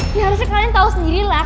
ya harusnya kalian tau sendiri lah